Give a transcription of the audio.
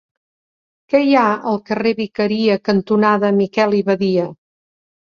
Què hi ha al carrer Vicaria cantonada Miquel i Badia?